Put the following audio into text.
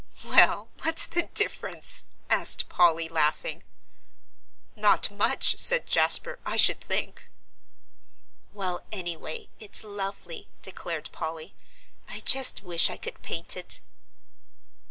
"Well, what's the difference?" asked Polly, laughing. "Not much," said Jasper, "I should think." "Well, anyway, it's lovely," declared Polly; "I just wish I could paint it."